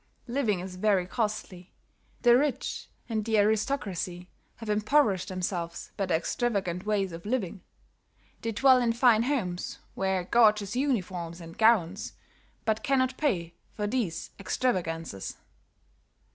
"Living is very costly; the rich and the aristocracy have impoverished themselves by their extravagant ways of living. They dwell in fine homes, wear gorgeous uniforms and gowns, but cannot pay for these extravagances.